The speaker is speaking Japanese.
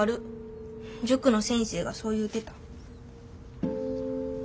塾の先生がそう言うてた。